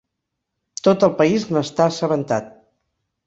Tot el país n'està assabentat.